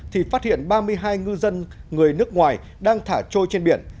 thì phát hiện ba mươi hai ngư dân người nước ngoài đang thả trôi trên biển